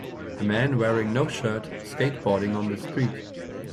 A man wearing no shirt skateboarding on the street